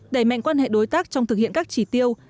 đẩy mạnh quan hệ đối tác trong thực hiện các chỉ tiêu